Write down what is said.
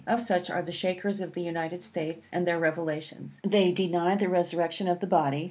Of such are the Shakers of the United States, and their revelations. They deny the resurrection of the body.